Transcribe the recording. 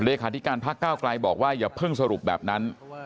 เลขาธิการพักก้าวไกลบอกว่าอย่าเพิ่งสรุปแบบนั้น